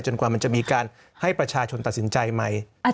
กว่ามันจะมีการให้ประชาชนตัดสินใจใหม่